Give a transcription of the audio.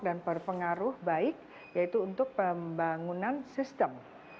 dan berpengaruh baik yaitu untuk pembangunan sistem